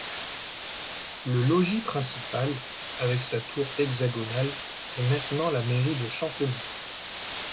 Le logis principal, avec sa tour hexagonale, est maintenant la mairie de Chantenay.